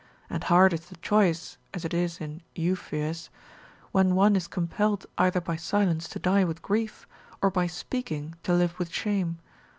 And hard is the choice (as it is in Euphues) when one is compelled either by silence to die with grief, or by speaking to live with shame.